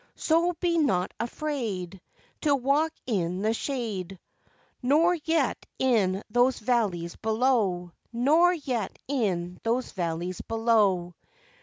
So be not afraid To walk in the shade, Nor yet in those valleys below, Nor yet in those valleys below.